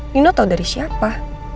nino tau dari siapa